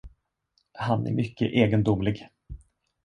Han är mycket egendomlig.